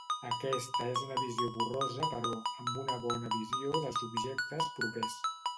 Aquesta és una visió borrosa però, amb una bona visió dels objectes propers.